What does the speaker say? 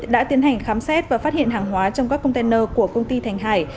đã tiến hành khám xét và phát hiện hàng hóa trong các container của công ty thành hải